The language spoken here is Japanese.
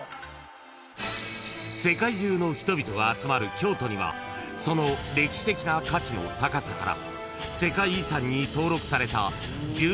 ［世界中の人々が集まる京都にはその歴史的な価値の高さから］